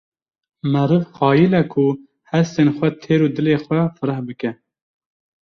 meriv qayile ku hestên xwe têr û dilê xwe fireh bike.